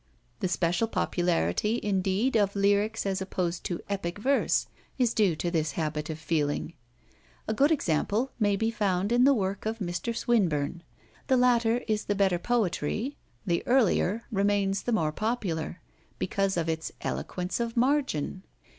The special popularity, indeed, of lyric as opposed to epic verse is due to this habit of feeling. A good example maybe found in the work of Mr Swinburne: the latter is the better poetry, the earlier remains the more popular—because of its eloquence of margin.